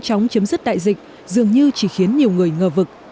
chóng chấm dứt đại dịch dường như chỉ khiến nhiều người ngờ vực